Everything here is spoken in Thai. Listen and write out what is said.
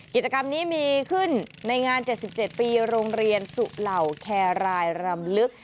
กิจกรรมนี้มีขึ้นในงาน๗๗ปีโรงเรียนสุเหล่าแครรายรำลึก